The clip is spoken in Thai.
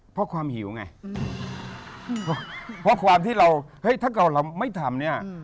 เพราะความหิวไงเพราะความที่เราเฮ้ยถ้าเราไม่ทำเนี่ย